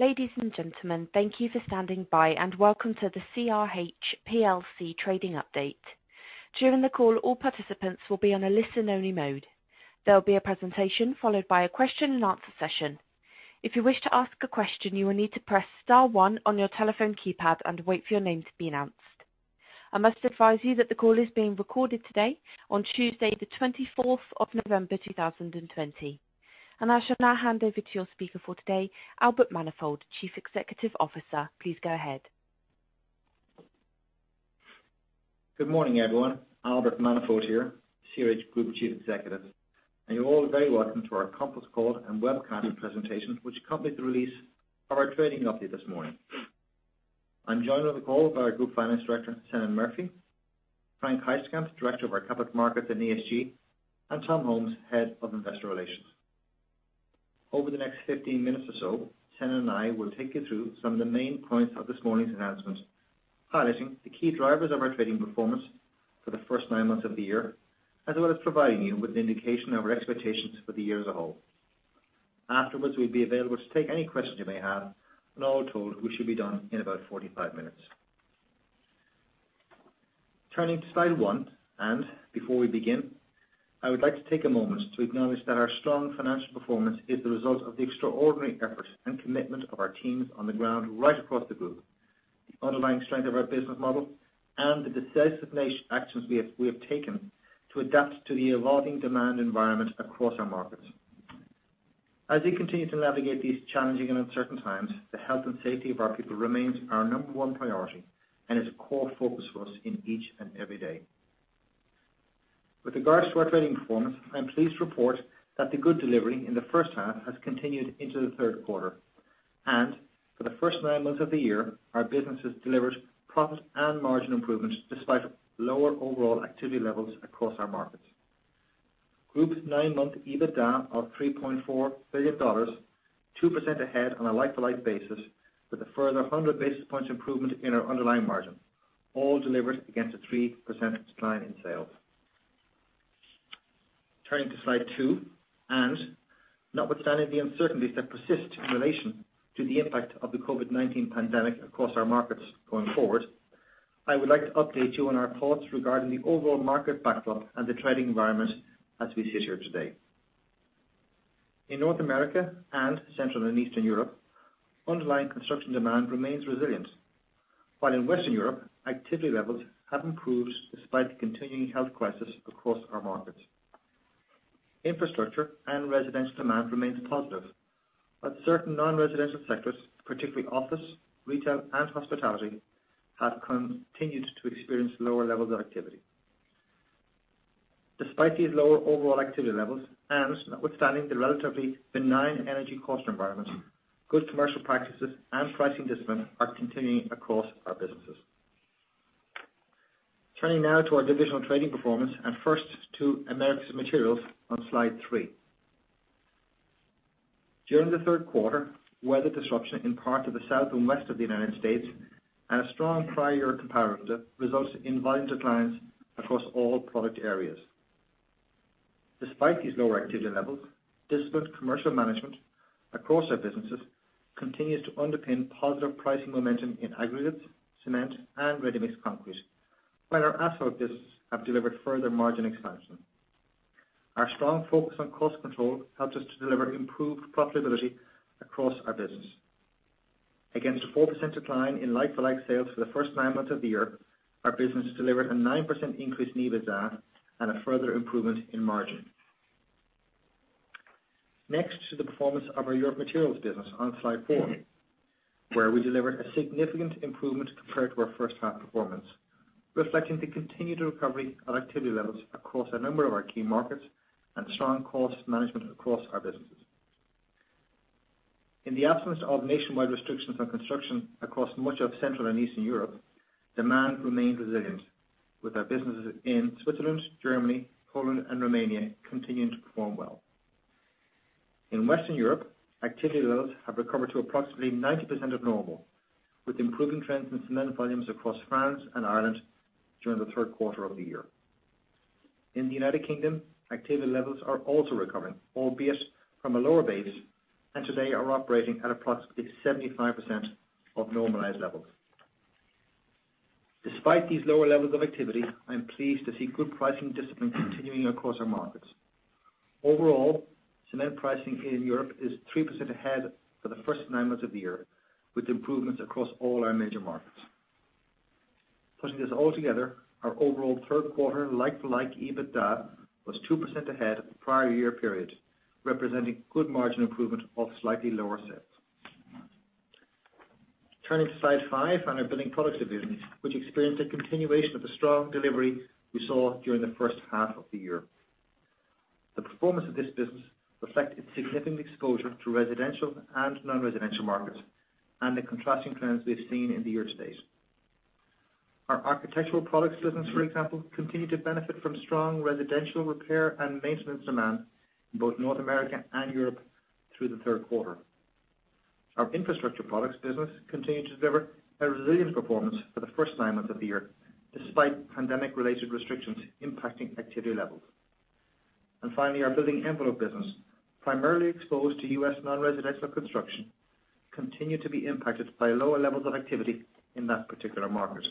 Ladies and gentlemen, thank you for standing by, and welcome to the CRH plc Trading Update. During the call, all participants will be on a listen-only mode. There'll be a presentation followed by a question-and-answer session. If you wish to ask a question, you will need to press star one on your telephone keypad and wait for your name to be announced. I must advise you that the call is being recorded today, on Tuesday the 24th of November, 2020. I shall now hand over to your speaker for today, Albert Manifold, Chief Executive Officer. Please go ahead. Good morning, everyone. Albert Manifold here, CRH Group Chief Executive. You're all very welcome to our conference call and webcast presentation, which accompanies the release of our trading update this morning. I'm joined on the call by our Group Finance Director, Senan Murphy; Frank Heisterkamp, Director of our Capital Markets & ESG; and Tom Holmes, Head of Investor Relations. Over the next 15 minutes or so, Senan and I will take you through some of the main points of this morning's announcement, highlighting the key drivers of our trading performance for the first nine months of the year, as well as providing you with an indication of our expectations for the year as a whole. Afterwards, we'll be available to take any questions you may have, and all told, we should be done in about 45 minutes. Turning to slide one. Before we begin, I would like to take a moment to acknowledge that our strong financial performance is the result of the extraordinary effort and commitment of our teams on the ground right across the group, the underlying strength of our business model, and the decisive actions we have taken to adapt to the evolving demand environment across our markets. As we continue to navigate these challenging and uncertain times, the health and safety of our people remains our number one priority, and is a core focus for us in each and every day. With regards to our trading performance, I am pleased to report that the good delivery in the first half has continued into the third quarter. For the first nine months of the year, our business has delivered profit and margin improvements despite lower overall activity levels across our markets. Group nine-month EBITDA of $3.4 billion, 2% ahead on a like-for-like basis, with a further 100 basis points improvement in our underlying margin, all delivered against a 3% decline in sales. Turning to slide two, notwithstanding the uncertainties that persist in relation to the impact of the COVID-19 pandemic across our markets going forward, I would like to update you on our thoughts regarding the overall market backdrop and the trading environment as we sit here today. In North America and Central and Eastern Europe, underlying construction demand remains resilient. While in Western Europe, activity levels have improved despite the continuing health crisis across our markets. Infrastructure and residential demand remains positive. While certain non-residential sectors, particularly office, retail, and hospitality, have continued to experience lower levels of activity. Despite these lower overall activity levels and notwithstanding the relatively benign energy cost environment, good commercial practices and pricing discipline are continuing across our businesses. Turning now to our divisional trading performance, first to Americas Materials on slide three. During the third quarter, weather disruption in parts of the South and West of the United States. and a strong prior year comparison resulted in volume declines across all product areas. Despite these lower activity levels, disciplined commercial management across our businesses continues to underpin positive pricing momentum in aggregates, cement, and ready-mix concrete, while our asphalt businesses have delivered further margin expansion. Our strong focus on cost control helped us to deliver improved profitability across our business. Against a 4% decline in like-for-like sales for the first nine months of the year, our business delivered a 9% increase in EBITDA and a further improvement in margin. Next to the performance of our Europe Materials business on slide four, where we delivered a significant improvement compared to our first half performance, reflecting the continued recovery of activity levels across a number of our key markets and strong cost management across our businesses. In the absence of nationwide restrictions on construction across much of Central and Eastern Europe, demand remained resilient, with our businesses in Switzerland, Germany, Poland, and Romania continuing to perform well. In Western Europe, activity levels have recovered to approximately 90% of normal, with improving trends in cement volumes across France and Ireland during the third quarter of the year. In the United Kingdom, activity levels are also recovering, albeit from a lower base, and today are operating at approximately 75% of normalized levels. Despite these lower levels of activity, I am pleased to see good pricing discipline continuing across our markets. Overall, cement pricing in Europe is 3% ahead for the first nine months of the year, with improvements across all our major markets. Putting this all together, our overall third quarter like-for-like EBITDA was 2% ahead of the prior year period, representing good margin improvement of slightly lower sales. Turning to slide five on our Building Products Division, which experienced a continuation of the strong delivery we saw during the first half of the year. The performance of this business reflects its significant exposure to residential and non-residential markets and the contrasting trends we've seen in the year-to-date. Our Architectural Products business, for example, continued to benefit from strong residential repair and maintenance demand in both North America and Europe through the third quarter. Our Infrastructure Products business continued to deliver a resilient performance for the first nine months of the year, despite pandemic-related restrictions impacting activity levels. Finally, our Building Envelope business, primarily exposed to U.S. non-residential construction, continued to be impacted by lower levels of activity in that particular market.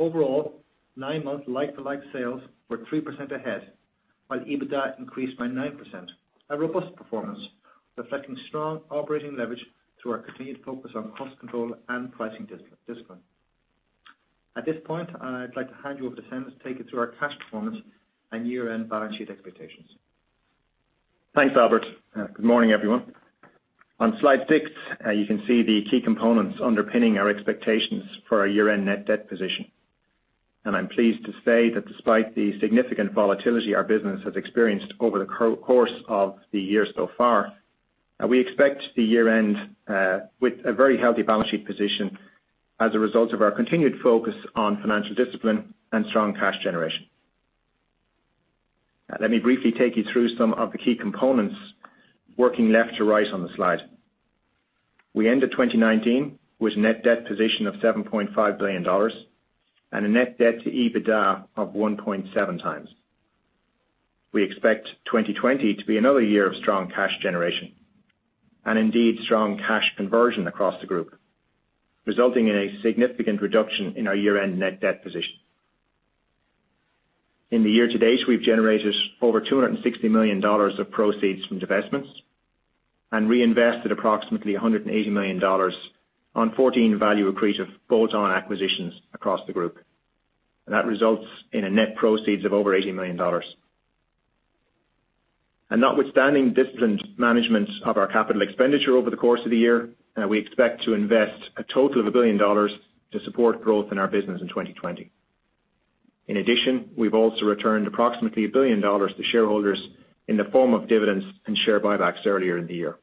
Overall, nine-month like-for-like sales were 3% ahead, while EBITDA increased by 9%. A robust performance reflecting strong operating leverage through our continued focus on cost control and pricing discipline. At this point, I'd like to hand you over to Senan to take you through our cash performance and year-end balance sheet expectations. Thanks, Albert. Good morning, everyone. On slide six, you can see the key components underpinning our expectations for our year-end net debt position. I'm pleased to say that despite the significant volatility our business has experienced over the course of the year so far, we expect the year-end with a very healthy balance sheet position as a result of our continued focus on financial discipline and strong cash generation. Let me briefly take you through some of the key components working left to right on the slide. We ended 2019 with net debt position of $7.5 billion and a net debt to EBITDA of 1.7x. We expect 2020 to be another year of strong cash generation, indeed strong cash conversion across the group, resulting in a significant reduction in our year-end net debt position. In the year-to-date, we've generated over $260 million of proceeds from divestments and reinvested approximately $180 million on 14 value accretive bolt-on acquisitions across the group. That results in a net proceeds of over $80 million. Notwithstanding disciplined management of our capital expenditure over the course of the year, we expect to invest a total of $1 billion to support growth in our business in 2020. In addition, we've also returned approximately $1 billion to shareholders in the form of dividends and share buybacks earlier in the year.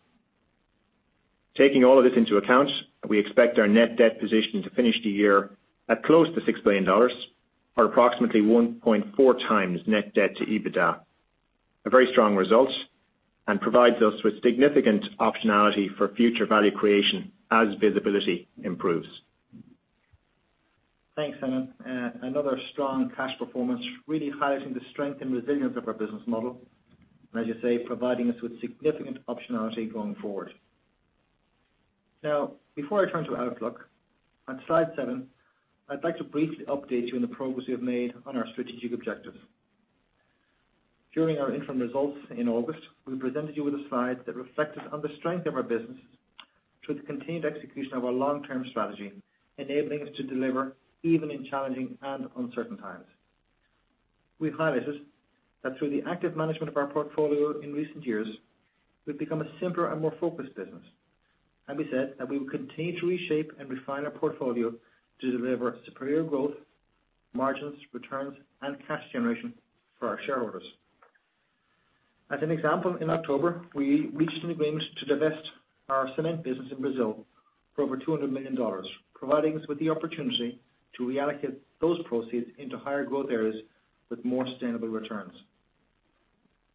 Taking all of this into account, we expect our net debt position to finish the year at close to $6 billion or approximately 1.4x net debt to EBITDA. A very strong result, and provides us with significant optionality for future value creation as visibility improves. Thanks, Senan. Another strong cash performance, really highlighting the strength and resilience of our business model. As you say, providing us with significant optionality going forward. Now, before I turn to outlook, on slide seven, I'd like to briefly update you on the progress we've made on our strategic objectives. During our interim results in August, we presented you with a slide that reflected on the strength of our business through the continued execution of our long-term strategy, enabling us to deliver even in challenging and uncertain times. We highlighted that through the active management of our portfolio in recent years, we've become a simpler and more focused business, and we said that we will continue to reshape and refine our portfolio to deliver superior growth, margins, returns, and cash generation for our shareholders. As an example, in October, we reached an agreement to divest our cement business in Brazil for over $200 million, providing us with the opportunity to reallocate those proceeds into higher growth areas with more sustainable returns.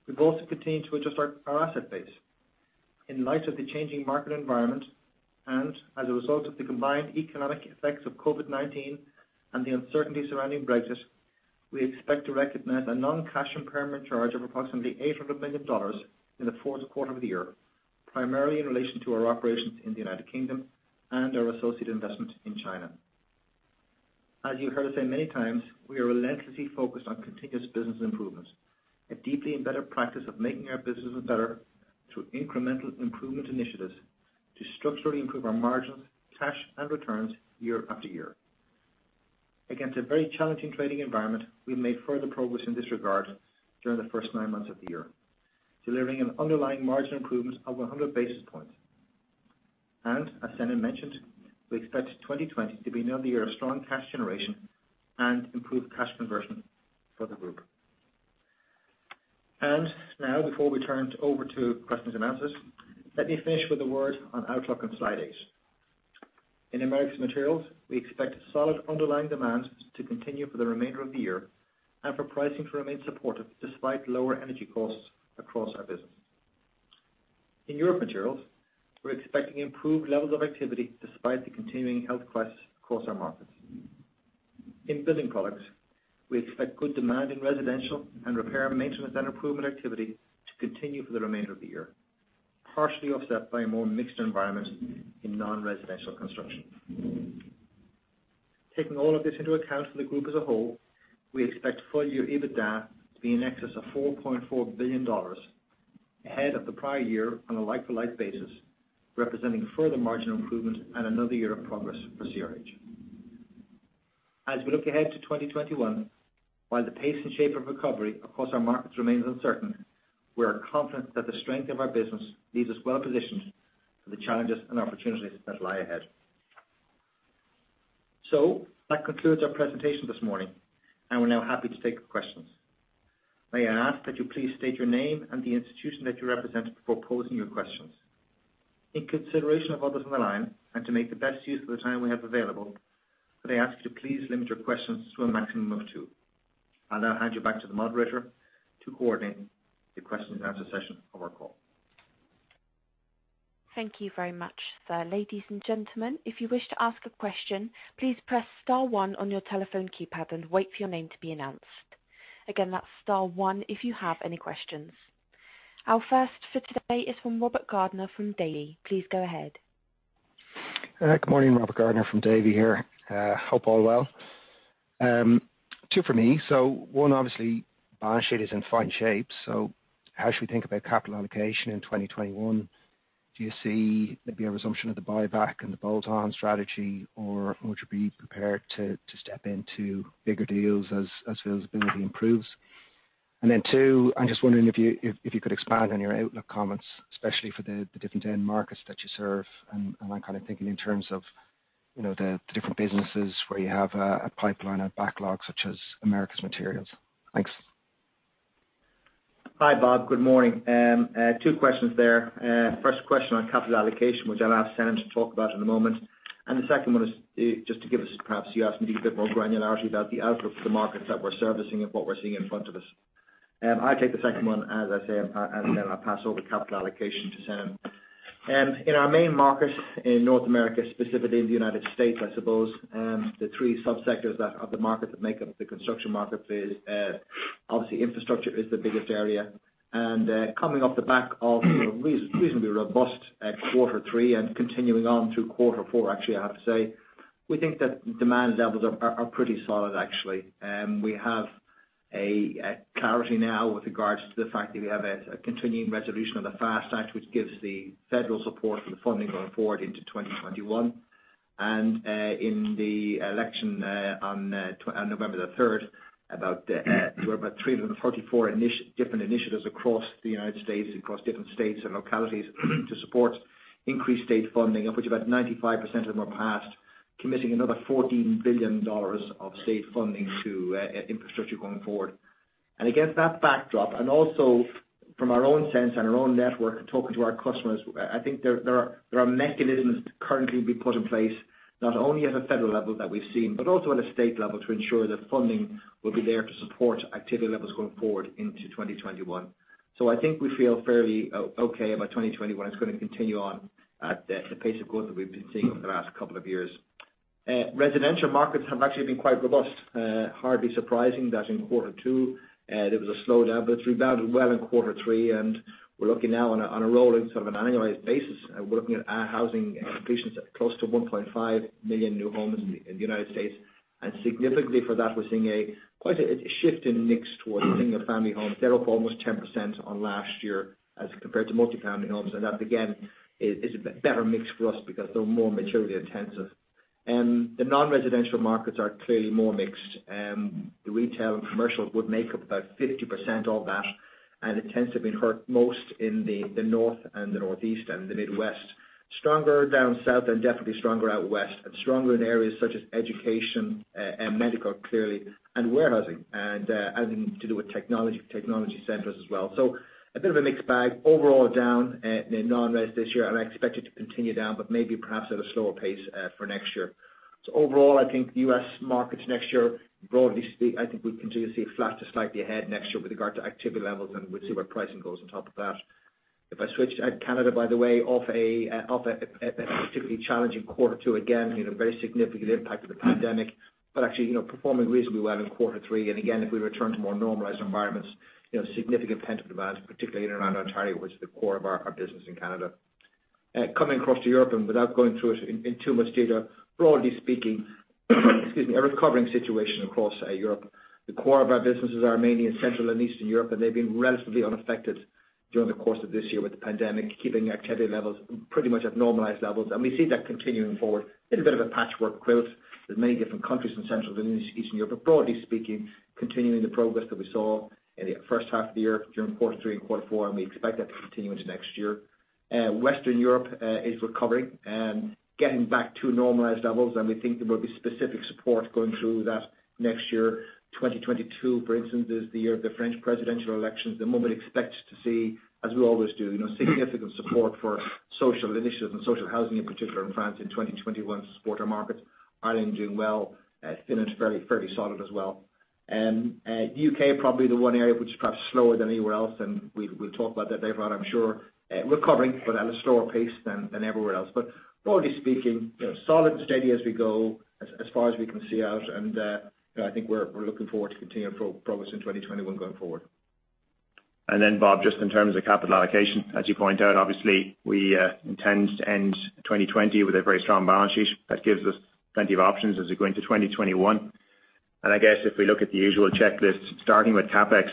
We've also continued to adjust our asset base. In light of the changing environment and as a result of the combined economic effects of COVID-19 and the uncertainty surrounding Brexit, we expect to recognize a non-cash impairment charge of approximately $800 million in the fourth quarter of the year, primarily in relation to our operations in the United Kingdom and our associate investment in China. As you heard us say many times, we are relentlessly focused on continuous business improvements, a deeply embedded practice of making our businesses better through incremental improvement initiatives to structurally improve our margins, cash, and returns year-after-year. Against a very challenging trading environment, we made further progress in this regard during the first nine months of the year, delivering an underlying margin improvement of 100 basis points. As Senan mentioned, we expect 2020 to be another year of strong cash generation and improved cash conversion for the group. Now before we turn it over to questions and answers, let me finish with a word on outlook on slide eight. In Americas Materials, we expect solid underlying demand to continue for the remainder of the year and for pricing to remain supportive despite lower energy costs across our business. In Europe Materials, we are expecting improved levels of activity despite the continuing health crisis across our markets. In Building Products, we expect good demand in residential and repair, maintenance & improvement activity to continue for the remainder of the year, partially offset by a more mixed environment in non-residential construction. Taking all of this into account for the group as a whole, we expect full-year EBITDA to be in excess of $4.4 billion, ahead of the prior year on a like-for-like basis, representing further margin improvement and another year of progress for CRH. We look ahead to 2021, while the pace and shape of recovery across our markets remains uncertain, we are confident that the strength of our business leaves us well positioned for the challenges and opportunities that lie ahead. That concludes our presentation this morning, and we're now happy to take questions. May I ask that you please state your name and the institution that you represent before posing your questions. In consideration of others on the line and to make the best use of the time we have available, may I ask you to please limit your questions to a maximum of two. I will now hand you back to the moderator to coordinate the question and answer session of our call. Thank you very much. Ladies and gentlemen, if you wish to ask a question, please press star one on your telephone keypad and wait for your name to be announced. Again, that's star one if you have any questions. Our first for today is from Robert Gardiner from Davy. Please go ahead. Good morning. Robert Gardiner from Davy here. Hope all well. Two for me. One, obviously, balance sheet is in fine shape, so how should we think about capital allocation in 2021? Do you see maybe a resumption of the buyback and the bolt-on strategy, or would you be prepared to step into bigger deals as visibility improves? Two, I'm just wondering if you could expand on your outlook comments, especially for the different end markets that you serve. I'm thinking in terms of the different businesses where you have a pipeline of backlogs, such as Americas Materials. Thanks. Hi, Bob. Good morning. Two questions there. First question on capital allocation, which I'll ask Senan to talk about in a moment. The second one is just to give us, perhaps you asked me a bit more granularity about the outlook for the markets that we're servicing and what we're seeing in front of us. I'll take the second one, as I say, and then I'll pass over capital allocation to Senan. In our main markets in North America, specifically in the United States, I suppose, the three subsectors of the market that make up the construction market, obviously, infrastructure is the biggest area. Coming off the back of reasonably robust quarter three and continuing on through quarter four, actually, I have to say, we think that demand levels are pretty solid, actually. We have clarity now with regards to the fact that we have a continuing resolution of the FAST Act, which gives the federal support for the funding going forward into 2021. In the election on November 3rd, there were about 344 different initiatives across the United States, across different states and localities to support increased state funding, of which about 95% of them are passed, committing another $14 billion of state funding to infrastructure going forward. Against that backdrop, and also from our own sense and our own network, talking to our customers, I think there are mechanisms currently being put in place, not only at a federal level that we've seen, but also at a state level to ensure that funding will be there to support activity levels going forward into 2021. I think we feel fairly okay about 2021. It's going to continue on at the pace of growth that we've been seeing over the last couple of years. Residential markets have actually been quite robust. Hardly surprising that in quarter two, there was a slowdown, but it's rebounded well in quarter three. We're looking now on a rolling sort of an annualized basis. We're looking at housing completions at close to 1.5 million new homes in the United States. Significantly for that, we're seeing quite a shift in mix towards single-family homes. They're up almost 10% on last year as compared to multi-family homes. That, again, is a better mix for us because they're more materially intensive. The non-residential markets are clearly more mixed. The retail and commercial would make up about 50% of that, and it tends to have been hurt most in the North and the Northeast and the Midwest. Stronger down South definitely stronger out West, stronger in areas such as education and medical, clearly, warehousing, to do with technology centers as well. A bit of a mixed bag. Overall down in non-res this year, I expect it to continue down, maybe perhaps at a slower pace for next year. Overall, I think the U.S. markets next year, broadly speaking, I think we'll continue to see flat to slightly ahead next year with regard to activity levels, we'll see where pricing goes on top of that. If I switch to Canada, by the way, off a particularly challenging quarter two, again, very significant impact of the COVID-19 pandemic, actually performing reasonably well in quarter three. Again, if we return to more normalized environments, significant pent-up demands, particularly in and around Ontario, which is the core of our business in Canada. Coming across to Europe, without going through it in too much detail, broadly speaking, excuse me, a recovering situation across Europe. The core of our businesses are mainly in Central and Eastern Europe, and they've been relatively unaffected during the course of this year with the pandemic, keeping activity levels pretty much at normalized levels. We see that continuing forward in a bit of a patchwork quilt with many different countries in Central and Eastern Europe. Broadly speaking, continuing the progress that we saw in the first half of the year during quarter three and quarter four, we expect that to continue into next year. Western Europe is recovering, getting back to normalized levels, and we think there will be specific support going through that next year. 2022, for instance, is the year of the French presidential elections. At the moment expect to see, as we always do, significant support for social initiatives and social housing in particular in France in 2021 to support our markets. Ireland doing well. Finland's fairly solid as well. U.K. probably the one area which is perhaps slower than anywhere else, and we'll talk about that later on, I'm sure. Recovering, but at a slower pace than everywhere else. Broadly speaking, solid and steady as we go, as far as we can see out, and I think we're looking forward to continued progress in 2021 going forward. Bob, just in terms of capital allocation, as you point out, obviously, we intend to end 2020 with a very strong balance sheet. That gives us plenty of options as we go into 2021. I guess if we look at the usual checklist, starting with CapEx,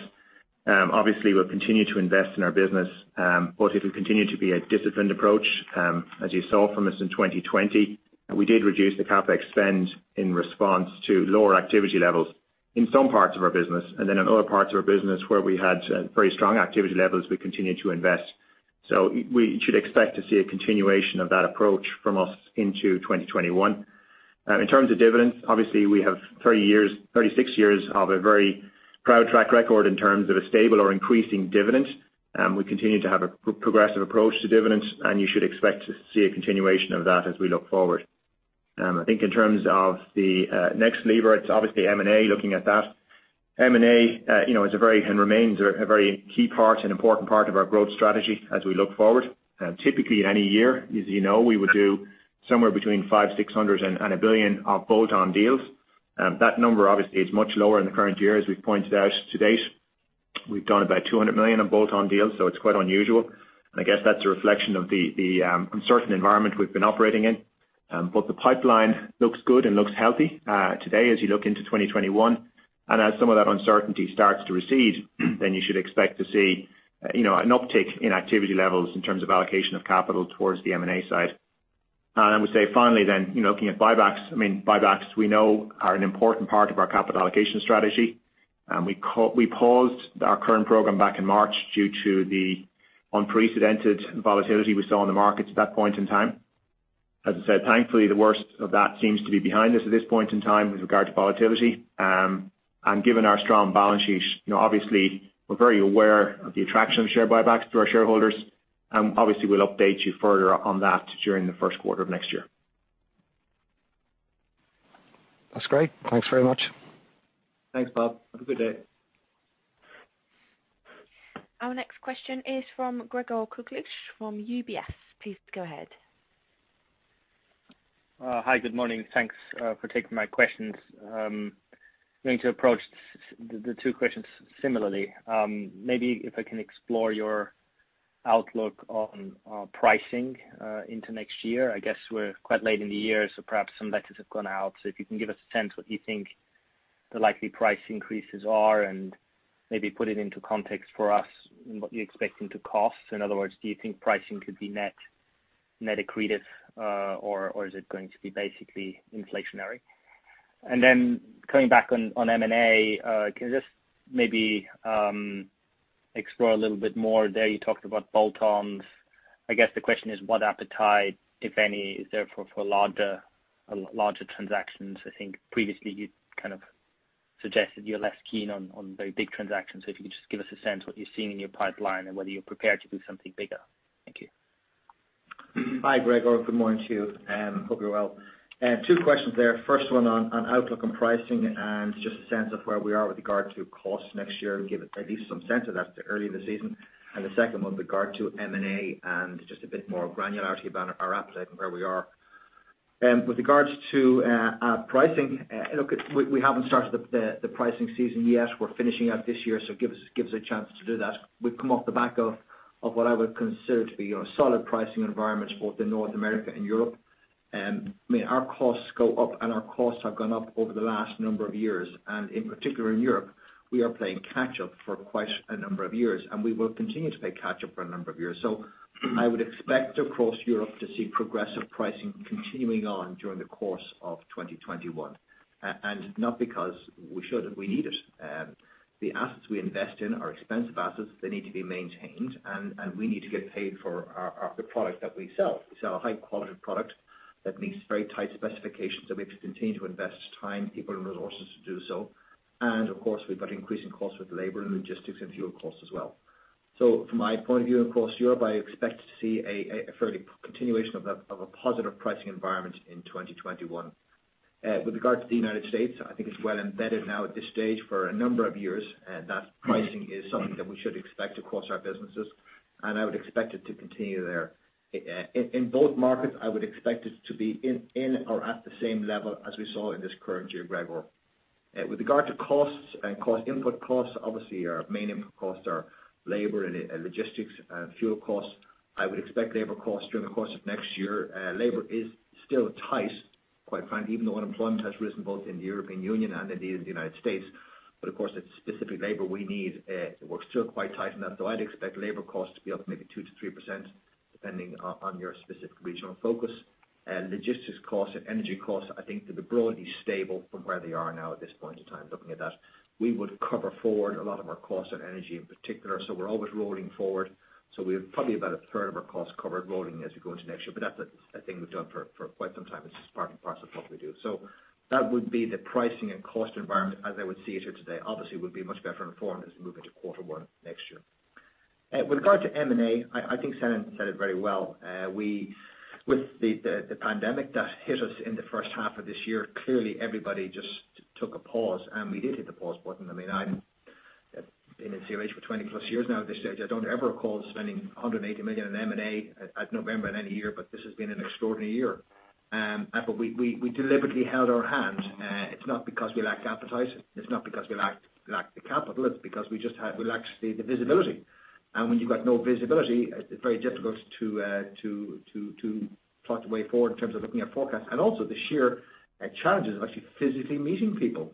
obviously we'll continue to invest in our business. It will continue to be a disciplined approach. As you saw from us in 2020, we did reduce the CapEx spend in response to lower activity levels in some parts of our business. In other parts of our business where we had very strong activity levels, we continued to invest. We should expect to see a continuation of that approach from us into 2021. In terms of dividends, obviously we have 36 years of a very proud track record in terms of a stable or increasing dividend. We continue to have a progressive approach to dividends, and you should expect to see a continuation of that as we look forward. I think in terms of the next lever, it is obviously M&A, looking at that. M&A remains a very key part, an important part of our growth strategy as we look forward. Typically, in any year, as you know, we would do somewhere between $500 million, $600 million and $1 billion of bolt-on deals. That number obviously is much lower in the current year, as we have pointed out to date. We have done about $200 million of bolt-on deals, so it is quite unusual, and I guess that is a reflection of the uncertain environment we have been operating in. The pipeline looks good and looks healthy today as you look into 2021, as some of that uncertainty starts to recede, you should expect to see an uptick in activity levels in terms of allocation of capital towards the M&A side. I would say finally, looking at buybacks. Buybacks, we know, are an important part of our capital allocation strategy. We paused our current program back in March due to the unprecedented volatility we saw in the markets at that point in time. As I said, thankfully, the worst of that seems to be behind us at this point in time with regard to volatility. Given our strong balance sheet, obviously, we're very aware of the attraction of share buybacks to our shareholders, and obviously, we'll update you further on that during the first quarter of next year. That's great. Thanks very much. Thanks, Bob. Have a good day. Our next question is from Gregor Kuglitsch from UBS. Please go ahead. Hi. Good morning. Thanks for taking my questions. I'm going to approach the two questions similarly. Maybe if I can explore your outlook on pricing into next year. I guess we're quite late in the year, so perhaps some letters have gone out. If you can give us a sense what you think the likely price increases are and maybe put it into context for us what you're expecting to cost. In other words, do you think pricing could be net accretive, or is it going to be basically inflationary? Then coming back on M&A, can you just maybe explore a little bit more there? You talked about bolt-ons. I guess the question is what appetite, if any, is there for larger transactions? I think previously you kind of suggested you're less keen on very big transactions. If you could just give us a sense what you're seeing in your pipeline and whether you're prepared to do something bigger. Thank you. Hi, Gregor. Good morning to you. Hope you're well. Two questions there. First one on outlook on pricing and just a sense of where we are with regard to costs next year and give at least some sense of that early in the season. The second one with regard to M&A and just a bit more granularity about our appetite and where we are. With regards to pricing, look, we haven't started the pricing season yet. We're finishing up this year, so it gives a chance to do that. We've come off the back of what I would consider to be a solid pricing environment both in North America and Europe. Our costs go up, and our costs have gone up over the last number of years. In particular, in Europe, we are playing catch up for quite a number of years. We will continue to play catch up for a number of years. I would expect across Europe to see progressive pricing continuing on during the course of 2021. Not because we need it. The assets we invest in are expensive assets. They need to be maintained. We need to get paid for the product that we sell. We sell a high-quality product that meets very tight specifications. We have to continue to invest time, people, and resources to do so. Of course, we've got increasing costs with labor and logistics and fuel costs as well. From my point of view, across Europe, I expect to see a further continuation of a positive pricing environment in 2021. With regard to the United States, I think it's well embedded now at this stage for a number of years, that pricing is something that we should expect across our businesses, and I would expect it to continue there. In both markets, I would expect it to be in or at the same level as we saw in this current year, Gregor. With regard to costs and input costs, obviously our main input costs are labor and logistics and fuel costs. I would expect labor costs during the course of next year. Labor is still tight, quite frankly, even though unemployment has risen both in the European Union and indeed in the United States. Of course, it's specific labor we need. We're still quite tight on that, so I'd expect labor costs to be up maybe 2%-3%, depending on your specific regional focus. Logistics costs and energy costs, I think they'll be broadly stable from where they are now at this point in time, looking at that. We would cover forward a lot of our costs on energy in particular, so we're always rolling forward. We have probably about 1/3 of our costs covered rolling as we go into next year. That's a thing we've done for quite some time. It's just part and parcel of what we do. That would be the pricing and cost environment as I would see it here today. Obviously, we'll be much better informed as we move into quarter one next year. With regard to M&A, I think Senan said it very well. With the pandemic that hit us in the first half of this year, clearly everybody just took a pause, and we did hit the pause button. I've been in CRH for 20+ years now at this stage. I don't ever recall spending $180 million on M&A at November in any year, but this has been an extraordinary year. We deliberately held our hand. It's not because we lack appetite. It's not because we lack the capital. It's because we lacked the visibility. When you've got no visibility, it's very difficult to plot the way forward in terms of looking at forecasts. Also the sheer challenges of actually physically meeting people,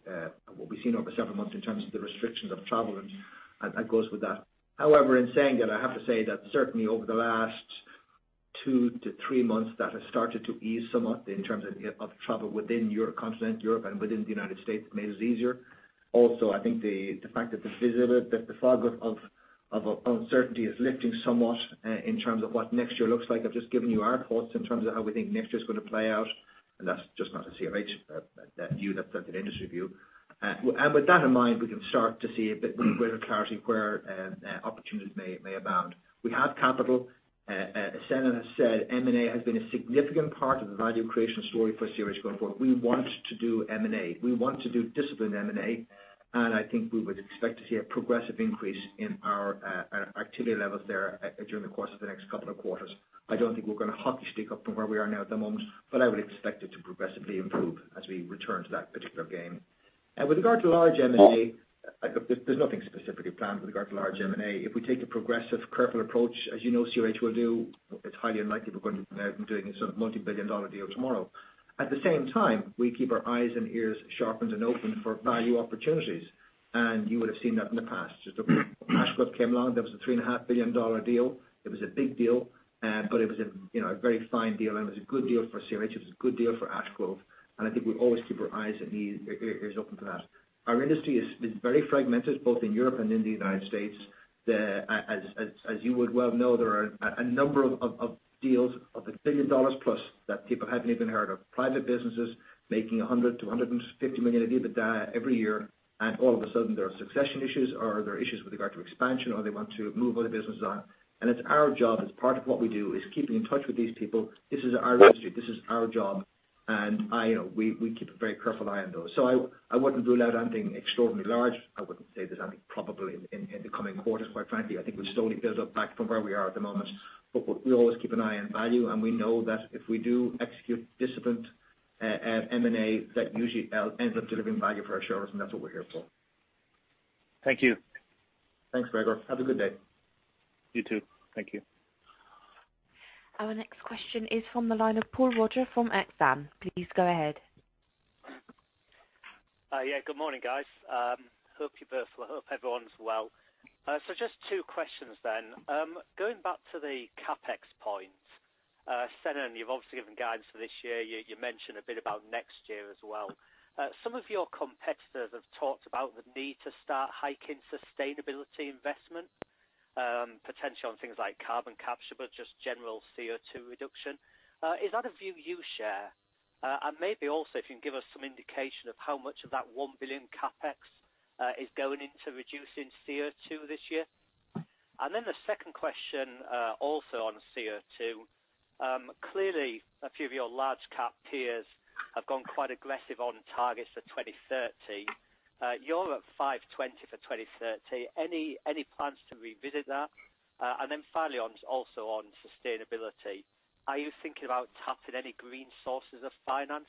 what we've seen over several months in terms of the restrictions of travel, and that goes with that. However, in saying that, I have to say that certainly over the last two to three months, that has started to ease somewhat in terms of travel within Europe continent, Europe and within the United States made it easier. I think the fact that the fog of uncertainty is lifting somewhat in terms of what next year looks like. I've just given you our thoughts in terms of how we think next year's going to play out, and that's just not a CRH view, that's an industry view. With that in mind, we can start to see a bit greater clarity where opportunities may abound. We have capital. As Senan has said, M&A has been a significant part of the value creation story for CRH going forward. We want to do M&A. We want to do disciplined M&A, and I think we would expect to see a progressive increase in our activity levels there during the course of the next couple of quarters. I don't think we're going to hockey stick up from where we are now at the moment, but I would expect it to progressively improve as we return to that particular game. With regard to large M&A, there's nothing specifically planned with regard to large M&A. If we take a progressive, careful approach, as you know CRH will do, it's highly unlikely we're going to be out and doing some multi-billion deal tomorrow. At the same time, we keep our eyes and ears sharpened and open for value opportunities, and you would have seen that in the past. Just as Ash Grove came along, that was a $3.5 billion deal. It was a big deal, but it was a very fine deal, and it was a good deal for CRH. It was a good deal for Ash Grove, and I think we always keep our eyes and ears open for that. Our industry is very fragmented, both in Europe and in the United States. As you would well know, there are a number of deals of a billion-dollar-plus that people haven't even heard of. Private businesses making $100 million-$150 million a year every year, and all of a sudden there are succession issues, or there are issues with regard to expansion, or they want to move other businesses on. It's our job, it's part of what we do, is keeping in touch with these people. This is our industry. This is our job. We keep a very careful eye on those. I wouldn't rule out anything extraordinarily large. I wouldn't say there's anything probably in the coming quarters, quite frankly. I think we'll slowly build up back from where we are at the moment. We always keep an eye on value, and we know that if we do execute disciplined M&A, that usually ends up delivering value for our shareholders, and that's what we're here for. Thank you. Thanks, Gregor. Have a good day. You, too. Thank you. Our next question is from the line of Paul Roger from Exane. Please go ahead. Good morning, guys. Hope everyone's well. Just two questions then. Going back to the CapEx point. Senan, you've obviously given guidance for this year. You mentioned a bit about next year as well. Some of your competitors have talked about the need to start hiking sustainability investment, potentially on things like carbon capture, but just general CO2 reduction. Is that a view you share? Maybe also if you can give us some indication of how much of that $1 billion CapEx is going into reducing CO2 this year? Then the second question, also on CO2. Clearly, a few of your large cap peers have gone quite aggressive on targets for 2030. You're at $520 million for 2030. Any plans to revisit that? Then finally, also on sustainability. Are you thinking about tapping any green sources of finance?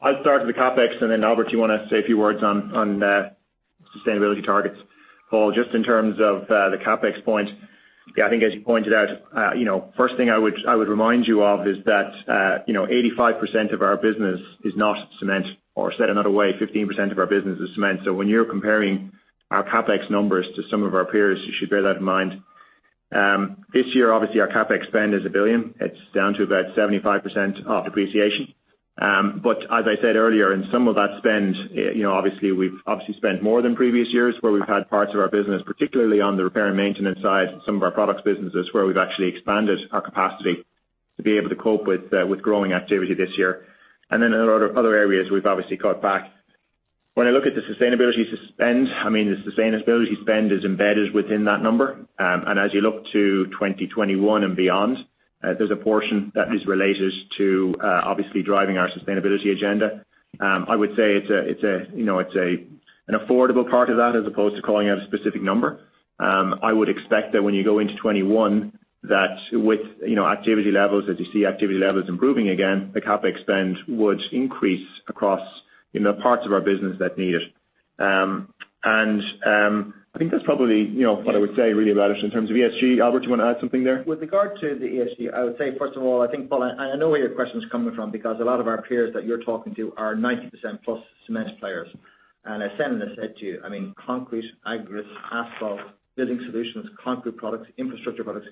I'll start with the CapEx, then Albert, you want to say a few words on sustainability targets? Paul, just in terms of the CapEx point, I think as you pointed out, first thing I would remind you of is that 85% of our business is not cement. Said another way, 15% of our business is cement. When you're comparing our CapEx numbers to some of our peers, you should bear that in mind. This year, obviously, our CapEx spend is $1 billion. It's down to about 75% of depreciation. As I said earlier, in some of that spend, we've obviously spent more than previous years, where we've had parts of our business, particularly on the repair and maintenance side, some of our products businesses, where we've actually expanded our capacity to be able to cope with growing activity this year. In a lot of other areas, we've obviously cut back. When I look at the sustainability spend, the sustainability spend is embedded within that number. As you look to 2021 and beyond, there's a portion that is related to obviously driving our sustainability agenda. I would say it's an affordable part of that, as opposed to calling out a specific number. I would expect that when you go into 2021, that as you see activity levels improving again, the CapEx spend would increase across parts of our business that need it. I think that's probably what I would say, really, about it. In terms of ESG, Albert, you want to add something there? With regard to the ESG, I would say, first of all, I think, Paul, I know where your question's coming from, because a lot of our peers that you're talking to are 90%+ cement players. As Senan has said to you, concrete, aggregates, asphalt, building solutions, concrete products, Infrastructure Products,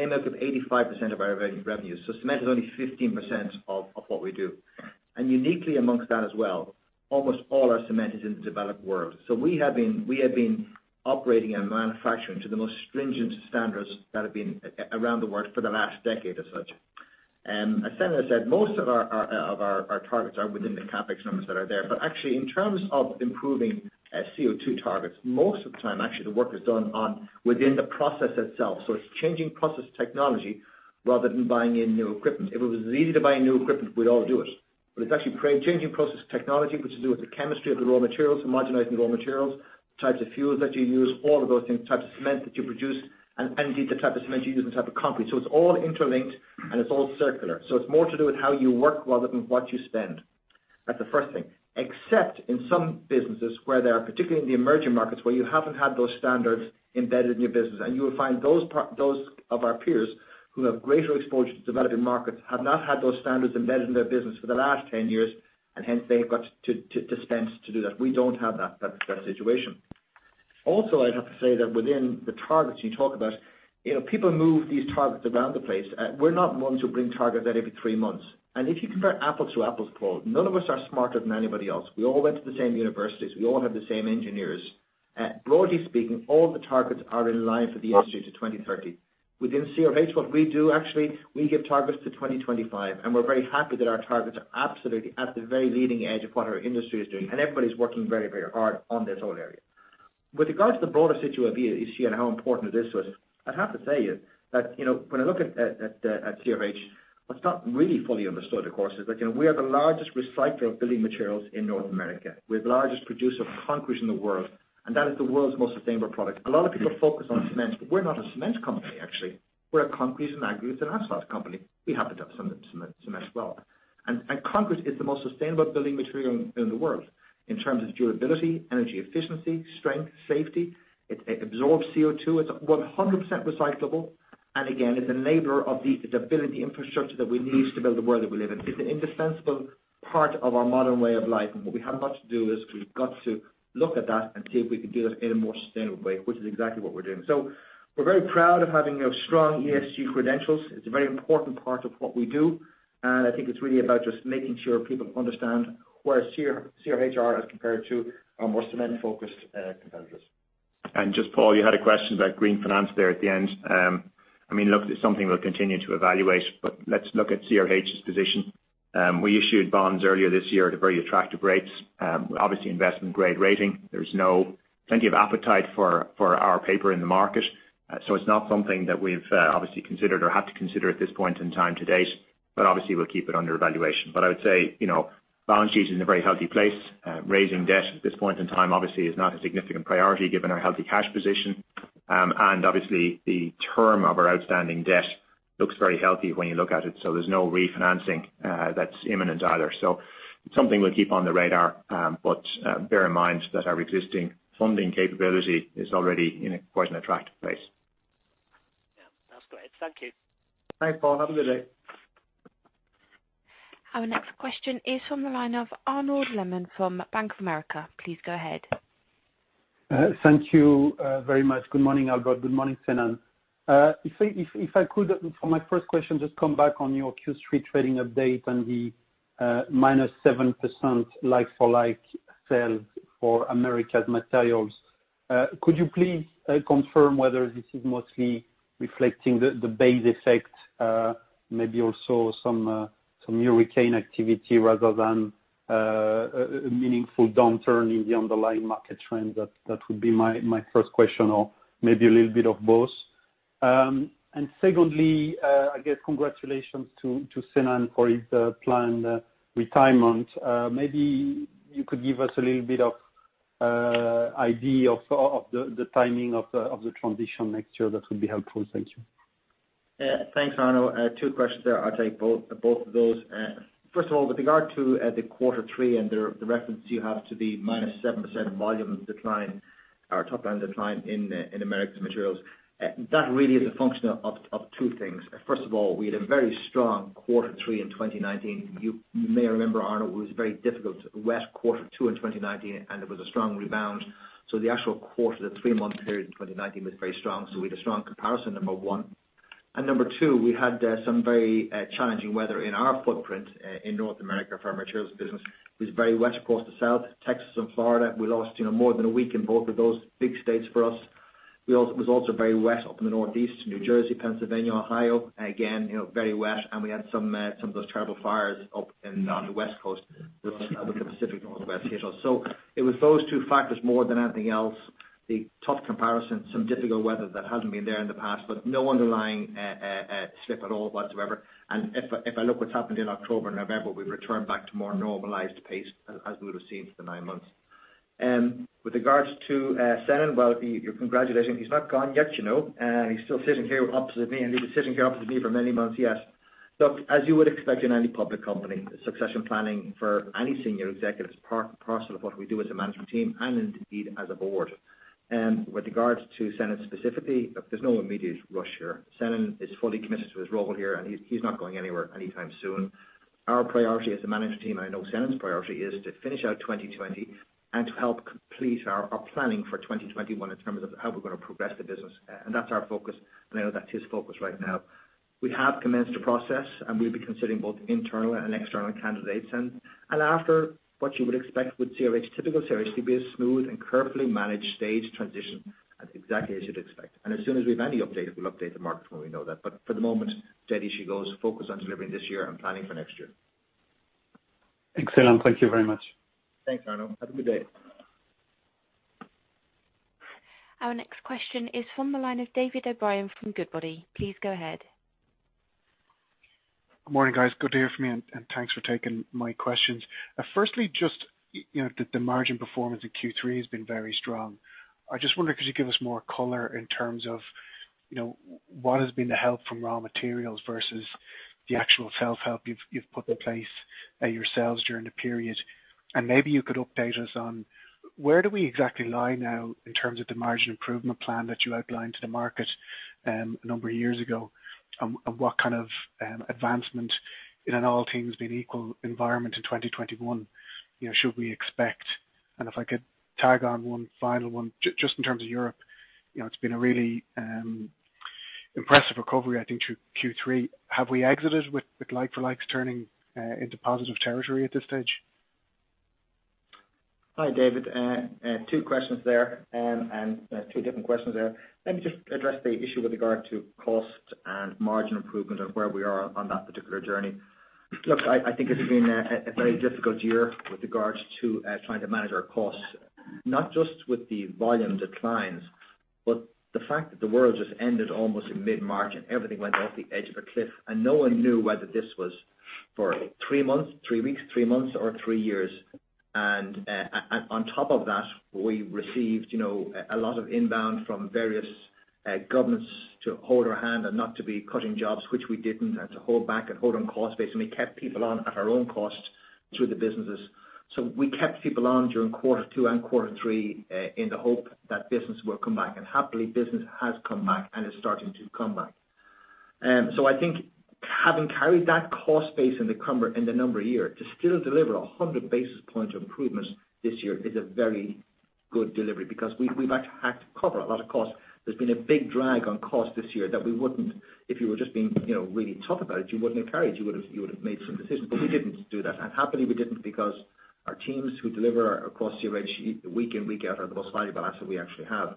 they make up 85% of our revenues. Cement is only 15% of what we do. Uniquely amongst that as well, almost all our cement is in the developed world. We have been operating and manufacturing to the most stringent standards that have been around the world for the last decade as such. As Senan has said, most of our targets are within the CapEx numbers that are there. Actually, in terms of improving CO2 targets, most of the time, actually, the work is done within the process itself. It's changing process technology rather than buying in new equipment. If it was as easy to buy new equipment, we'd all do it. It's actually changing process technology, which is to do with the chemistry of the raw materials, homogenizing the raw materials, types of fuels that you use, all of those things, types of cement that you produce, and indeed the type of cement you use and the type of concrete. It's all interlinked, and it's all circular. It's more to do with how you work rather than what you spend. That's the first thing. Except in some businesses, particularly in the emerging markets, where you haven't had those standards embedded in your business. You will find those of our peers who have greater exposure to developing markets have not had those standards embedded in their business for the last 10 years, and hence they've got to spend to do that. We don't have that situation. Also, I'd have to say that within the targets you talk about, people move these targets around the place. We're not ones who bring targets out every three months. If you compare apples-to-apples, Paul, none of us are smarter than anybody else. We all went to the same universities. We all have the same engineers. Broadly speaking, all the targets are in line for the industry to 2030. Within CRH, what we do actually, we give targets to 2025, and we're very happy that our targets are absolutely at the very leading edge of what our industry is doing. Everybody's working very hard on this whole area. With regards to the broader issue at hand, how important it is to us, I'd have to say, that when I look at CRH, what's not really fully understood, of course, is that we are the largest recycler of building materials in North America. We're the largest producer of concrete in the world, and that is the world's most sustainable product. A lot of people focus on cement, but we're not a cement company actually. We're a concrete and aggregate and asphalt company. We happen to have cement as well. Concrete is the most sustainable building material in the world in terms of durability, energy efficiency, strength, safety. It absorbs CO2. It's 100% recyclable, and again, is an enabler of the ability of the infrastructure that we need to build the world that we live in. It's an indispensable part of our modern way of life. What we have to do is we've got to look at that and see if we can do that in a more sustainable way, which is exactly what we're doing. We're very proud of having strong ESG credentials. It's a very important part of what we do, and I think it's really about just making sure people understand where CRH are as compared to our more cement-focused competitors. Just Paul, you had a question about green finance there at the end. Look, it's something we'll continue to evaluate, but let's look at CRH's position. We issued bonds earlier this year at very attractive rates. Obviously investment-grade rating. There's plenty of appetite for our paper in the market. It's not something that we've obviously considered or had to consider at this point in time to date, but obviously, we'll keep it under evaluation. I would say, balance sheet is in a very healthy place. Raising debt at this point in time obviously is not a significant priority given our healthy cash position. Obviously, the term of our outstanding debt looks very healthy when you look at it, there's no refinancing that's imminent either. It's something we'll keep on the radar, but bear in mind that our existing funding capability is already in quite an attractive place. Yeah. That's great. Thank you. Thanks, Paul. Have a good day. Our next question is from the line of Arnaud Lehmann from Bank of America. Please go ahead. Thank you very much. Good morning, Albert. Good morning, Senan. If I could, for my first question, just come back on your Q3 trading update and the, -7% like-for-like sales for Americas Materials. Could you please confirm whether this is mostly reflecting the base effect, maybe also some hurricane activity rather than a meaningful downturn in the underlying market trend? That would be my first question, or maybe a little bit of both. Secondly, I guess congratulations to Senan for his planned retirement. Maybe you could give us a little bit of idea of the timing of the transition next year, that would be helpful. Thank you. Yeah. Thanks, Arnaud. Two questions there. I'll take both of those. First of all, with regard to the quarter three and the reference you have to the -7% volume decline or top-line decline in Americas Materials, that really is a function of two things. First of all, we had a very strong quarter three in 2019. You may remember, Arnaud, it was a very difficult, wet quarter two in 2019, and it was a strong rebound. The actual quarter, the three-month period in 2019 was very strong. We had a strong comparison, number one. Number two, we had some very challenging weather in our footprint in North America for our materials business. It was very wet across the South, Texas and Florida. We lost more than a week in both of those big states for us. It was also very wet up in the Northeast, New Jersey, Pennsylvania, Ohio. Again, very wet. We had some of those terrible fires up on the West Coast with the Pacific on the West Coast. It was those two factors more than anything else. The tough comparison, some difficult weather that hasn't been there in the past, but no underlying slip at all whatsoever. If I look what's happened in October, November, we've returned back to more normalized pace, as we would have seen for the nine months. With regards to Senan, well, you're congratulating. He's not gone yet. He's still sitting here opposite me, and he'll be sitting here opposite me for many months yet. Look, as you would expect in any public company, succession planning for any senior executive is part and parcel of what we do as a management team and indeed, as a Board. With regards to Senan specifically, look, there's no immediate rush here. Senan is fully committed to his role here, and he's not going anywhere anytime soon. Our priority as the management team, and I know Senan's priority, is to finish out 2020 and to help complete our planning for 2021 in terms of how we're going to progress the business. That's our focus, and I know that's his focus right now. We have commenced a process, and we'll be considering both internal and external candidates. After, what you would expect with CRH, typical CRH, to be a smooth and carefully managed staged transition, exactly as you'd expect. As soon as we have any update, we'll update the market when we know that. For the moment, steady she goes, focused on delivering this year and planning for next year. Excellent. Thank you very much. Thanks, Arnaud. Have a good day. Our next question is from the line of David O'Brien from Goodbody. Please go ahead. Good morning, guys. Good to hear from you. Thanks for taking my questions. Firstly, just the margin performance in Q3 has been very strong. I just wonder could you give us more color in terms of what has been the help from raw materials versus the actual self-help you've put in place yourselves during the period. Maybe you could update us on where do we exactly lie now in terms of the margin improvement plan that you outlined to the market a number of years ago, and what kind of advancement in an all things being equal environment in 2021 should we expect? If I could tag on one final one, just in terms of Europe, it's been a really impressive recovery, I think through Q3. Have we exited with like-for-likes turning into positive territory at this stage? Hi, David. Two questions there, and two different questions there. Let me just address the issue with regard to cost and margin improvement and where we are on that particular journey. Look, I think it's been a very difficult year with regards to trying to manage our costs, not just with the volume declines, but the fact that the world just ended almost in mid-March and everything went off the edge of a cliff, and no one knew whether this was for three weeks, three months or three years. On top of that, we received a lot of inbound from various governments to hold our hand and not to be cutting jobs, which we didn't, and to hold back and hold on cost base, and we kept people on at our own cost through the businesses. We kept people on during quarter two and quarter three in the hope that business will come back, and happily, business has come back and is starting to come back. I think having carried that cost base in the number year, to still deliver 100 basis points of improvements this year is a very good delivery because we've actually had to cover a lot of costs. There's been a big drag on cost this year that we wouldn't, if you were just being really tough about it, you wouldn't have carried, you would've made some decisions. We didn't do that. Happily we didn't because our teams who deliver across CRH week in, week out are the most valuable asset we actually have.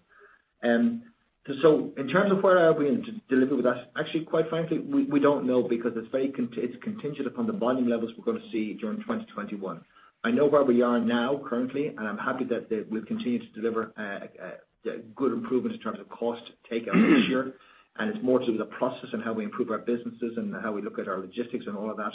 In terms of where we are going to deliver with that, actually quite frankly, we don't know because it's contingent upon the volume levels we're going to see during 2021. I know where we are now currently, and I'm happy that we'll continue to deliver good improvements in terms of cost takeout this year. It's more to the process and how we improve our businesses and how we look at our logistics and all of that.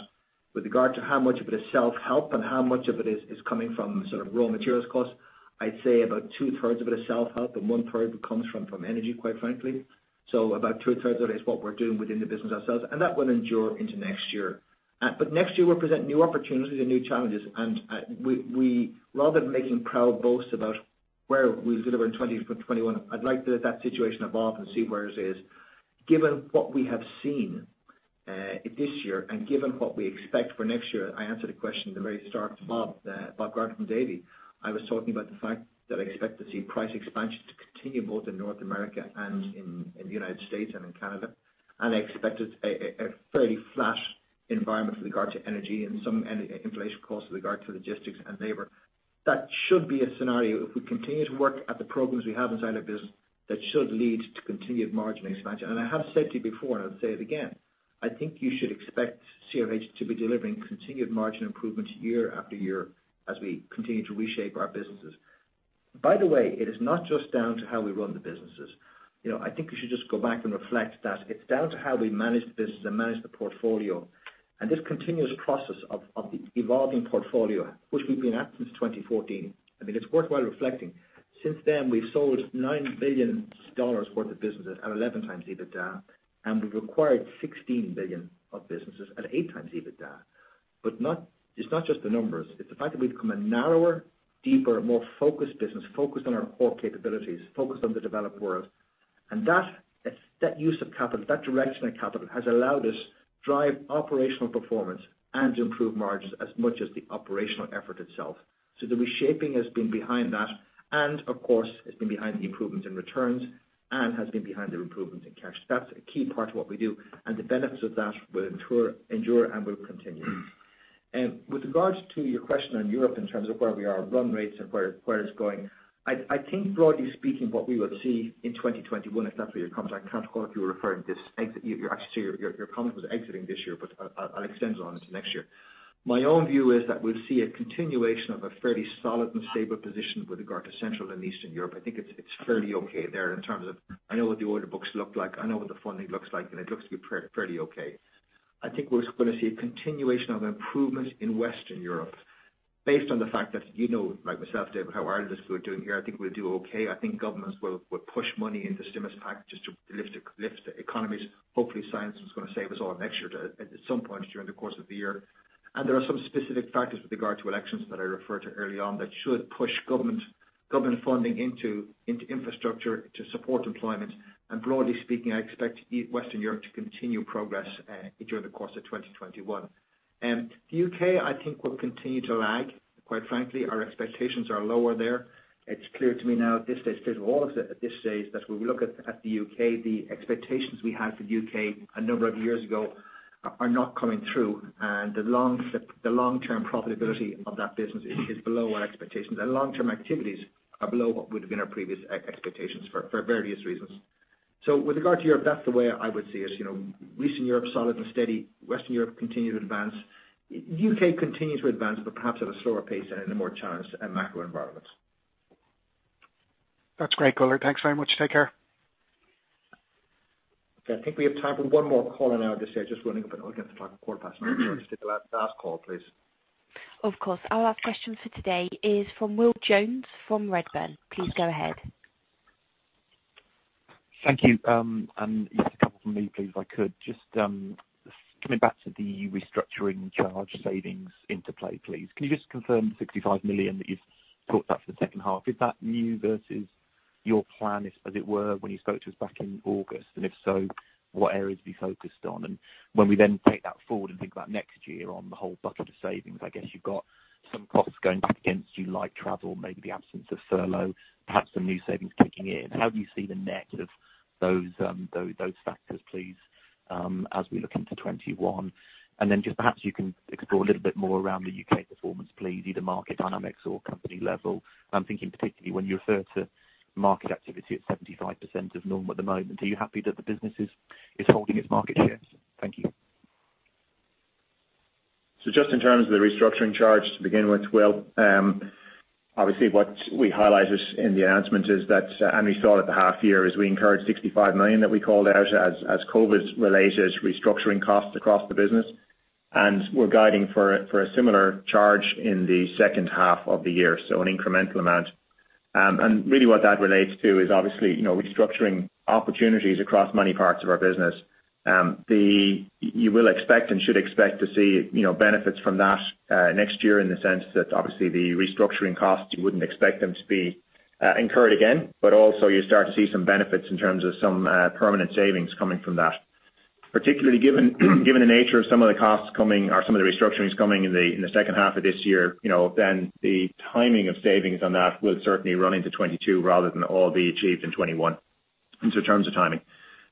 With regard to how much of it is self-help and how much of it is coming from raw materials costs, I'd say about 2/3 of it is self-help and 1/3 comes from energy, quite frankly. About 2/3 of it is what we're doing within the business ourselves, and that will endure into next year. Next year will present new opportunities and new challenges, and rather than making proud boasts about where we'll deliver in 2021, I'd like to let that situation evolve and see where it is. Given what we have seen this year and given what we expect for next year, I answered a question at the very start from Bob from Davy. I was talking about the fact that I expect to see price expansion to continue both in North America and in the United States and in Canada. I expected a fairly flat environment with regard to energy and some inflation costs with regard to logistics and labor. That should be a scenario if we continue to work at the programs we have inside our business, that should lead to continued margin expansion. I have said to you before, and I'll say it again, I think you should expect CRH to be delivering continued margin improvements year-after-year as we continue to reshape our businesses. By the way, it is not just down to how we run the businesses. I think you should just go back and reflect that it's down to how we manage the business and manage the portfolio, and this continuous process of the evolving portfolio, which we've been at since 2014. I think it's worthwhile reflecting. Since then, we've sold $9 billion worth of businesses at 11x EBITDA, and we've acquired $16 billion of businesses at 8x EBITDA. It's not just the numbers. It's the fact that we've become a narrower, deeper, more focused business, focused on our core capabilities, focused on the developed world. That use of capital, that direction of capital, has allowed us drive operational performance and improve margins as much as the operational effort itself. The reshaping has been behind that, and of course, it's been behind the improvement in returns and has been behind the improvement in cash. That's a key part of what we do, and the benefits of that will endure and will continue. With regards to your question on Europe in terms of where we are, run rates and where it's going, I think broadly speaking, what we will see in 2021. I can't recall if you were referring to this exit. I see your comment was exiting this year, but I'll extend it on into next year. My own view is that we'll see a continuation of a fairly solid and stable position with regard to Central and Eastern Europe. I think it's fairly okay there in terms of I know what the order books look like, I know what the funding looks like, and it looks to be fairly okay. I think we're going to see a continuation of improvement in Western Europe based on the fact that you know, like myself, David, [how are these doing here. I think we'll do okay. I think governments will push money into stimulus packages to lift the economies. Hopefully, science is going to save us all next year at some point during the course of the year. There are some specific factors with regard to elections that I referred to early on that should push government funding into infrastructure to support employment. Broadly speaking, I expect Western Europe to continue progress during the course of 2021. The U.K., I think, will continue to lag. Quite frankly, our expectations are lower there. It's clear to me now at this stage, clear to all of us at this stage, that when we look at the U.K., the expectations we had for the U.K. a number of years ago are not coming through, and the long-term profitability of that business is below our expectations. Long-term activities are below what would have been our previous expectations for various reasons. With regard to Europe, that's the way I would see it. Eastern Europe, solid and steady. Western Europe continue to advance. U.K. continues to advance, but perhaps at a slower pace and in a more challenged macro environment. That's great, Albert. Thanks very much. Take care. Okay. I think we have time for one more caller now. I just see it just rolling up and now we're getting to 4:15 P.M. Let's take the last call, please. Of course. Our last question for today is from Will Jones from Redburn. Please go ahead. Thank you. Just a couple from me, please, if I could. Just coming back to the restructuring charge savings into play, please. Can you just confirm the $65 million that you've put up for the second half? Is that new versus your plan when you spoke to us back in August, and if so, what areas would be focused on? When we then take that forward and think about next year on the whole bucket of savings, I guess you've got some costs going back against you, like travel, maybe the absence of furlough, perhaps some new savings kicking in. How do you see the net of those factors, please, as we look into 2021? Then just perhaps you can explore a little bit more around the U.K. performance please, either market dynamics or company level. I'm thinking particularly when you refer to market activity at 75% of norm at the moment, are you happy that the business is holding its market shares? Thank you. Just in terms of the restructuring charge to begin with, Will, obviously what we highlighted in the announcement and we saw at the half year is we incurred $65 million that we called out as COVID related restructuring costs across the business, and we're guiding for a similar charge in the second half of the year, an incremental amount. Really what that relates to is obviously, restructuring opportunities across many parts of our business. You will expect and should expect to see benefits from that next year in the sense that obviously the restructuring costs, you wouldn't expect them to be incurred again. Also you start to see some benefits in terms of some permanent savings coming from that. Particularly given the nature of some of the restructurings coming in the second half of this year, then the timing of savings on that will certainly run into 2022 rather than all be achieved in 2021. In terms of timing.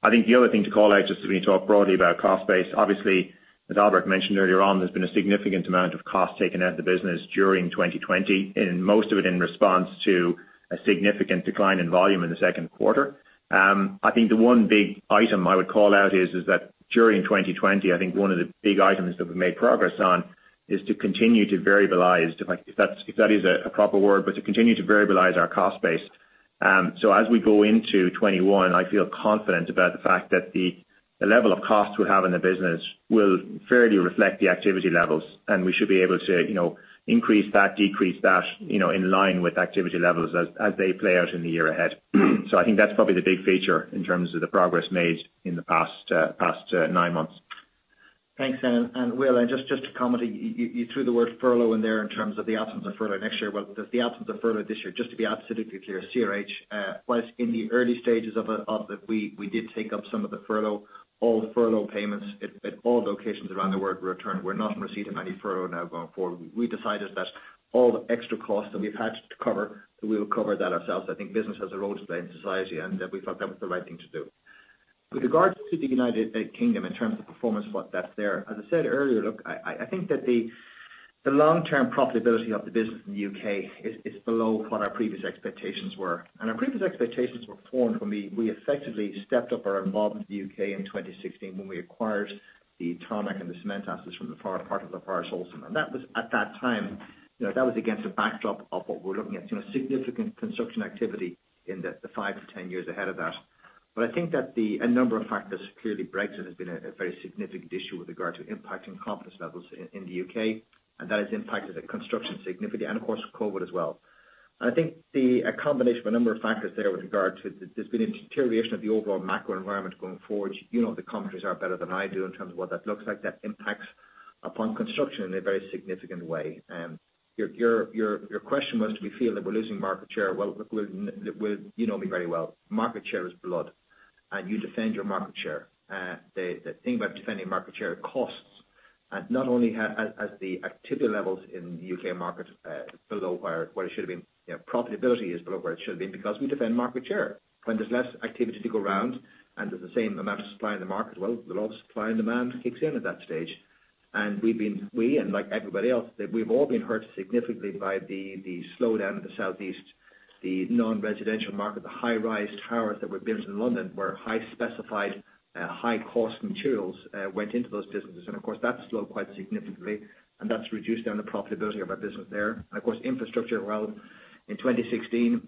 I think the other thing to call out, just as we talk broadly about cost base, obviously, as Albert mentioned earlier on, there's been a significant amount of cost taken out of the business during 2020, and most of it in response to a significant decline in volume in the second quarter. I think the one big item I would call out is that during 2020, I think one of the big items that we've made progress on is to continue to variabilize, if that is a proper word, but to continue to variabilize our cost base. As we go into 2021, I feel confident about the fact that the level of cost we have in the business will fairly reflect the activity levels, and we should be able to increase that, decrease that, in line with activity levels as they play out in the year ahead. I think that's probably the big feature in terms of the progress made in the past nine months. Thanks. Will, just to comment, you threw the word furlough in there in terms of the absence of furlough next year. Well, the absence of furlough this year, just to be absolutely clear, CRH, whilst in the early stages of it, we did take up some of the furlough, all the furlough payments at all locations around the world were returned. We're not in receipt of any furlough now going forward. We decided that all the extra costs that we've had to cover, we will cover that ourselves. I think business has a role to play in society, and we felt that was the right thing to do. With regards to the United Kingdom in terms of performance, what that's there, as I said earlier, look, I think that the long-term profitability of the business in the U.K. is below what our previous expectations were. Our previous expectations were formed when we effectively stepped up our involvement in the U.K. in 2016 when we acquired the Tarmac and the cement assets from the part of the prior [Holcim]. At that time, that was against a backdrop of what we were looking at, significant construction activity in the five to 10 years ahead of that. I think that a number of factors, clearly Brexit has been a very significant issue with regard to impacting confidence levels in the U.K., and that has impacted the construction significantly, and of course, COVID-19 as well. I think the combination of a number of factors there with regard to there's been a deterioration of the overall macro environment going forward. You know the commentaries are better than I do in terms of what that looks like. That impacts upon construction in a very significant way. Your question was, do we feel that we're losing market share? Well, you know me very well. Market share is blood. You defend your market share. The thing about defending market share, it costs. Not only has the activity levels in the U.K. market below where it should have been, profitability is below where it should have been because we defend market share. When there's less activity to go around, and there's the same amount of supply in the market, well, the law of supply and demand kicks in at that stage. We and like everybody else, we've all been hurt significantly by the slowdown in the southeast, the non-residential market, the high-rise towers that were built in London, where high specified, high cost materials went into those businesses. Of course, that's slowed quite significantly, and that's reduced down the profitability of our business there. Of course, infrastructure, well, in 2016,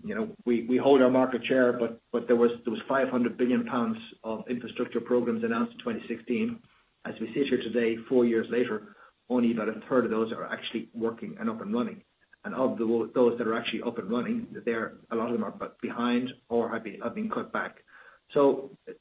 we hold our market share, but there was 500 billion pounds of infrastructure programs announced in 2016. As we sit here today, four years later, only about 1/3 of those are actually working and up and running. Of those that are actually up and running, a lot of them are behind or have been cut back.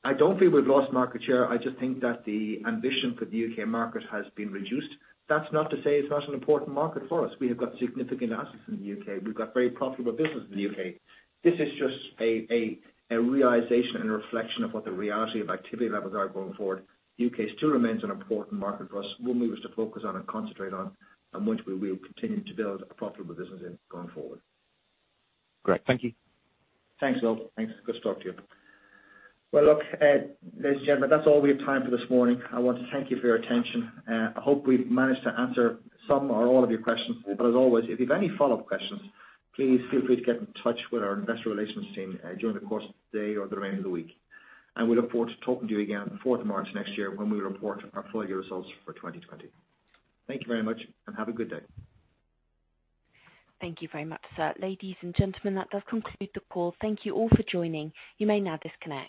I don't feel we've lost market share. I just think that the ambition for the U.K. market has been reduced. That's not to say it's not an important market for us. We have got significant assets in the U.K. We've got very profitable business in the U.K. This is just a realization and a reflection of what the reality of activity levels are going forward. U.K. still remains an important market for us. One we wish to focus on and concentrate on, and which we will continue to build a profitable business in going forward. Great. Thank you. Thanks, Will. Thanks. Good to talk to you. Well, look, ladies and gentlemen, that's all we have time for this morning. I want to thank you for your attention. I hope we've managed to answer some or all of your questions. As always, if you've any follow-up questions, please feel free to get in touch with our Investor Relations team during the course of the day or the remainder of the week. We look forward to talking to you again the 4th of March next year when we report our full year results for 2020. Thank you very much, and have a good day. Thank you very much, sir. Ladies and gentlemen, that does conclude the call. Thank you all for joining. You may now disconnect.